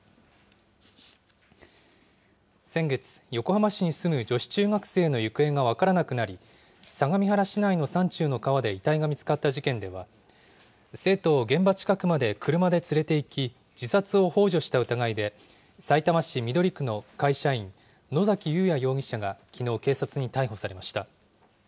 先月、横浜市に住む女子中学生の行方が分からなくなり、相模原市内の山中の川で遺体が見つかった事件では、生徒を現場近くまで車で連れていき、自殺をほう助した疑いで、さいたま市緑区の会社員、野崎祐也容疑者がきのう警察に逮捕されました。